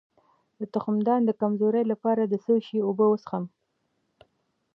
د تخمدان د کمزوری لپاره د څه شي اوبه وڅښم؟